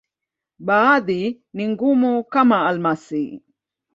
Baadhi ni ngumu, kama almasi.